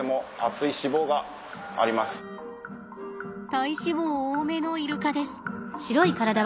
体脂肪多めのイルカです。